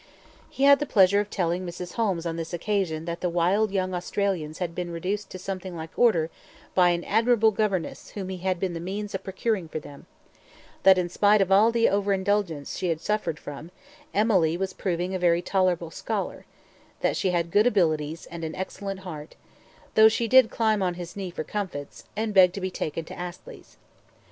He had the pleasure of telling Mrs. Holmes on this occasion that the wild young Australians had been reduced to something like order by an admirable governess whom he had been the means of procuring for them: that in spite of all the overindulgence she had suffered from, Emily was proving a very tolerable scholar that she had good abilities and an excellent heart, though she did climb on his knee for comfits, and beg to be taken to Astley's.